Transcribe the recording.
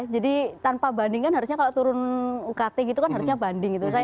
jadi tanpa bandingan harusnya kalau turun ukt gitu kan harusnya banding gitu